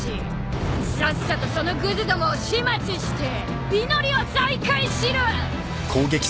さっさとそのぐずどもを始末して祈りを再開しろ！